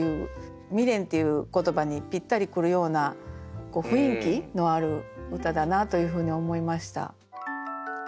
「未練」っていう言葉にぴったり来るような雰囲気のある歌だなというふうに思いました。